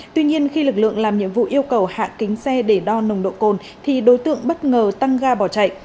tuy nhiên khi lực lượng làm nhiệm vụ yêu cầu hạ kính xe để đo nồng độ cồn thì đối tượng bất ngờ tăng ga bỏ chạy